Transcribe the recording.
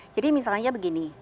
jadi misalnya begini